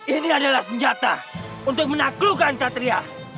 ini adalah senjata untuk menaklukkan satria